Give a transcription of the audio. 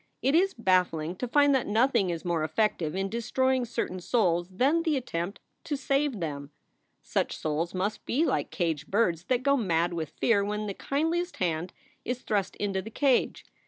It is baffling to find that nothing is more effective in destroying certain souls than the attempt to save them. Such souls must be like caged birds that go mad with fear when the kindliest hand is thrust into the cage.